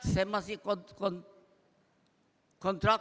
saya masih kontrak